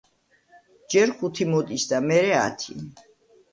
ჯერ ხუთი მოდის და მერე ათი.